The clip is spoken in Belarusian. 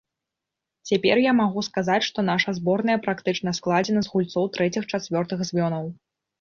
Цяпер я магу сказаць, што наша зборная практычна складзена з гульцоў трэціх-чацвёртых звёнаў.